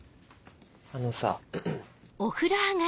あのさ。